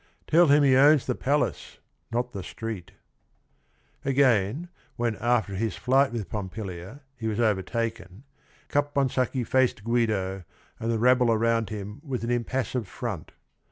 Tell him he owns the palace, not the street." Again when after his flight with Pompilia he was overtaken, Caponsacchi faced Guide and the rabble around him with an impassive front.